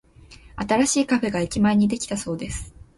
新しいカフェが駅前にできたそうです。